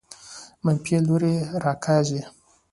منفي لوري راکاږي.